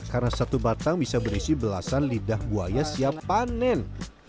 karena satu batang bisa berisi belasan lidah buaya siap panen